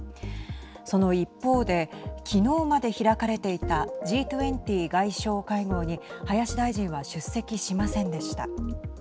その一方で昨日まで開かれていたＧ２０外相会合に林大臣は出席しませんでした。